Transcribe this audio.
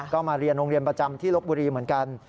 ก็มาเรียนโรงเรียนประจำที่ลบบุรีเหมือนกัน